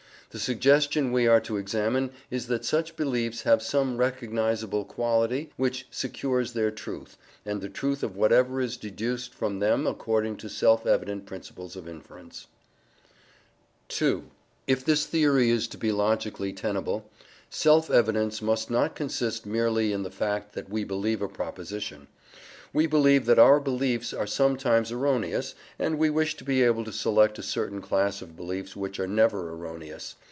The suggestion we are to examine is that such: beliefs have some recognizable quality which secures their truth, and the truth of whatever is deduced from them according to self evident principles of inference. This theory is set forth, for example, by Meinong in his book, "Ueber die Erfahrungsgrundlagen unseres Wissens." If this theory is to be logically tenable, self evidence must not consist merely in the fact that we believe a proposition. We believe that our beliefs are sometimes erroneous, and we wish to be able to select a certain class of beliefs which are never erroneous.